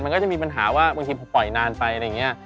มันก็จะมีปัญหาว่าบางทีพอปล่อยนานไปอะไรอย่างนี้